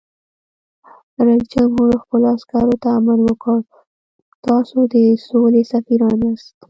رئیس جمهور خپلو عسکرو ته امر وکړ؛ تاسو د سولې سفیران یاست!